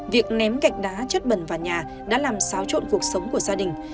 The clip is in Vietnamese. việc ném gạch đá chất bẩn vào nhà đã làm xáo trộn cuộc sống của gia đình